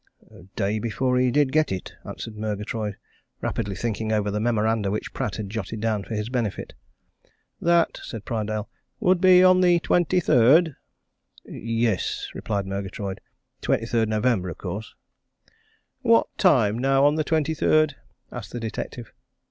"Day before he did get it," answered Murgatroyd, rapidly thinking over the memoranda which Pratt had jotted down for his benefit. "That," said Prydale, "would be on the 23rd?" "Yes," replied Murgatroyd, "23rd November, of course." "What time, now, on the 23rd?" asked the detective.